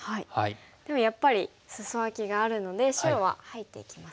でもやっぱりスソアキがあるので白は入っていきますか。